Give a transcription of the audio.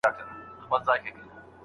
د کمزوري هم مرګ حق دی او هم پړ سي